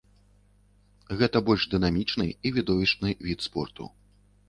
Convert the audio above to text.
Гэта больш дынамічны і відовішчны від спорту.